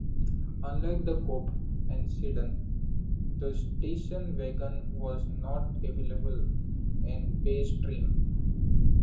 Unlike the coupe and sedan, the station wagon was not available in base trim.